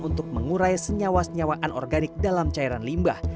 untuk mengurai senyawa senyawa anorganik dalam cairan limbah